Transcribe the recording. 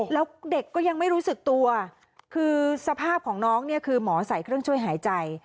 แล้วเด็กก็ยังไม่รู้สึกตัวคือสภาพของน้องเนี่ยคือหมอใส่เครื่องช่วยหายใจ